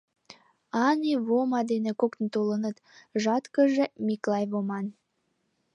— Ане, Вома дене коктын толыныт, жаткыже — Миклай Воман.